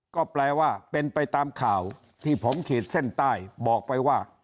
ก็แปลว่าเป็นไปตามข่าวที่ผมขีดเส้นใต้บอกไปว่า